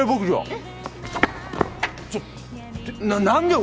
えっ？